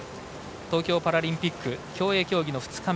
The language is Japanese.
東京パラリンピック競泳競技の２日目。